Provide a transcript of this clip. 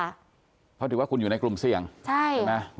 เพราะถือว่าคุณอยู่ในกลุ่มเสี่ยงใช่ไหม